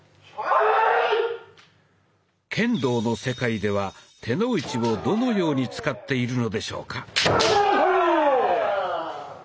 剣道の世界では「手の内」をどのように使っているのでしょうか？